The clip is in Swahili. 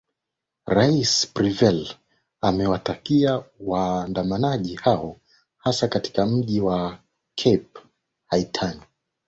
rais prevel amewataka waandamanaji hao hasa katika mji wa cape haitian